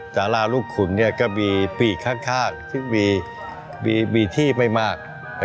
สาราลูกขุนก็มีปีกข้างซึ่งมีที่ไม่มาก